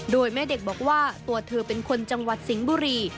โดยแม่เด็กบอกว่าตัวเธอเป็นคนจังหวัดสิงห์บุรี